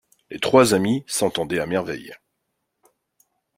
Les trois amis s’entendaient à merveille.